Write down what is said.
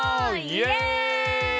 イエイ！